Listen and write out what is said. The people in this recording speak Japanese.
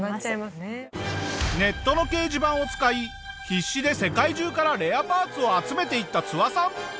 ネットの掲示板を使い必死で世界中からレアパーツを集めていったツワさん。